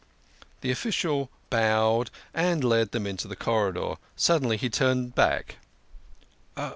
The official bowed and led them into the corridor. Sud denly he turned back.